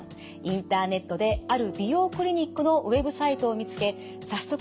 インターネットである美容クリニックのウェブサイトを見つけ早速